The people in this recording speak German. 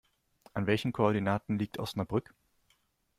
An welchen Koordinaten liegt Osnabrück?